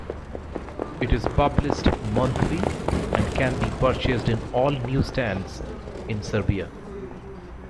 It is published monthly and can be purchased in all newsstands in Serbia.